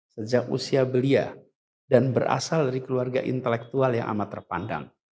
sejak usia belia dan berasal dari keluarga intelektual yang amat terpandang